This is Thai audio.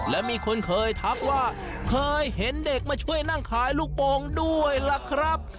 และมีคนเคยทักว่าเคยเห็นเด็กมาช่วยนั่งขายลูกโป่งด้วยล่ะครับ